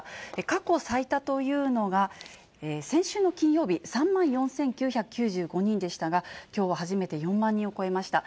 過去最多というのが、先週の金曜日、３万４９９５人でしたが、きょうは初めて４万人を超えました。